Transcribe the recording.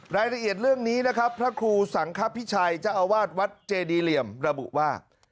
รายละเอียดเรื่องนี้นะครับพระครูสังคพิชัยเจ้าอาวาสวัดเจดีเหลี่ยมระบุว่า